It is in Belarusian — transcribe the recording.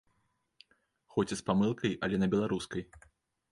Хоць і з памылкай, але на беларускай!